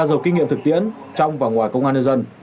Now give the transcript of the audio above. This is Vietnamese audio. giàu kinh nghiệm thực tiễn trong và ngoài công an nhân dân